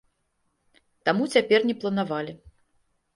Таму цяпер не планавалі.